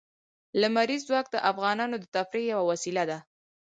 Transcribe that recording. لمریز ځواک د افغانانو د تفریح یوه وسیله ده.